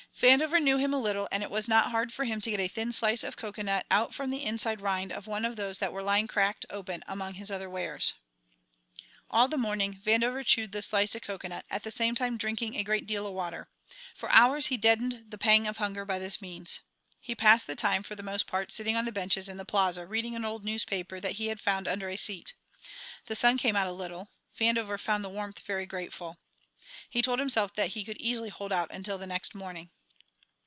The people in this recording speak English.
Vandover knew him a little, and it was not hard for him to get a thin slice of cocoanut out from the inside rind of one of those that were lying cracked open among his other wares. All the morning Vandover chewed this slice of cocoanut, at the same time drinking a great deal of water; for hours he deadened the pang of hunger by this means. He passed the time for the most part sitting on the benches in the Plaza reading an old newspaper that he had found under a seat. The sun came out a little; Vandover found the warmth very grateful. He told himself that he could easily hold out until the next morning.